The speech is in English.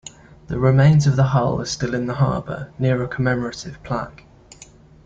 The remains of the hull are still in the harbor, near a commemorative plaque.